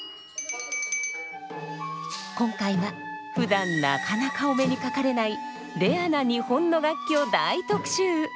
今回はふだんなかなかお目にかかれないレアな日本の楽器を大特集！